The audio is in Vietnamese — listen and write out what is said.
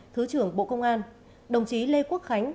thứ trưởng bộ công an đồng chí lê quốc khánh